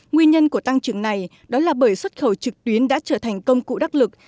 nguyên nhân của tăng trưởng này đó là bởi xuất khẩu trực tuyến đã trở thành công cụ đắc lực